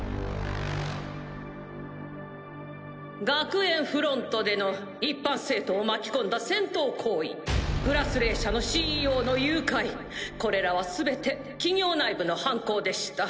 学園フロントでの一般生徒を巻き込んだ戦闘行為「グラスレー社」のＣＥＯの誘拐これらは全て企業内部の犯行でした。